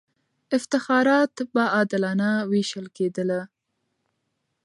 افتخارات به عادلانه وېشل کېدله.